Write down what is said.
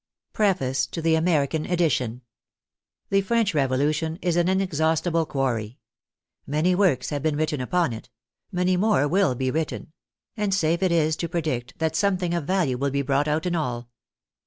PREFACE TO THE AMERICAN EDITION The French Revolution is an inexhaustible quarry. Many works have been written upon it ; many more will be written; and safe it is to predict that something of value will be brought out in all.